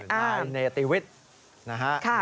นายเนตีวิทย์